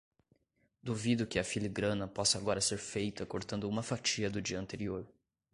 Duvido que a filigrana possa agora ser feita cortando uma fatia do dia anterior.